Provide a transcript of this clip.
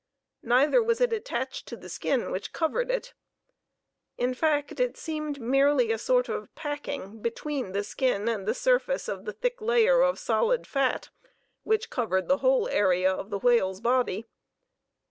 Neither was it attached to the skin which covered it; in fact, it seemed merely a sort of packing between the skin and the surface of the thick layer of solid fat which covered the whole area of the whale's body.